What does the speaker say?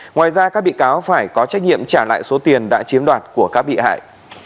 ngoài ra các bị cáo phải có trách nhiệm trả lại số tiền đã chiếm đoạt của các bị hại